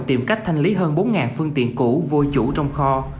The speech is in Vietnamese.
tìm cách thanh lý hơn bốn phương tiện cũ vô chủ trong kho